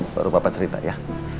baru papa cerita ya